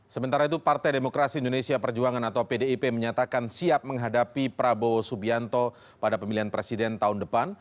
sementara itu partai demokrasi indonesia perjuangan atau pdip menyatakan siap menghadapi prabowo subianto pada pemilihan presiden tahun depan